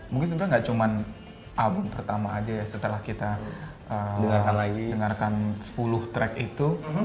mungkin sebenernya gak cuman album pertama aja ya setelah kita dengarkan sepuluh track itu